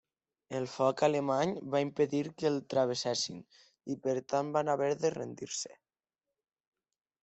El foc alemany va impedir que el travessessin, i per tant van haver de rendir-se.